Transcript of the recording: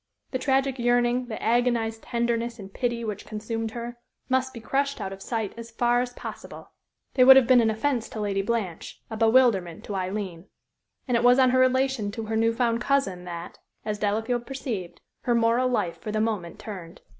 The tragic yearning, the agonized tenderness and pity which consumed her, must be crushed out of sight as far as possible. They would have been an offence to Lady Blanche, a bewilderment to Aileen. And it was on her relation to her new found cousin that, as Delafield perceived, her moral life for the moment turned.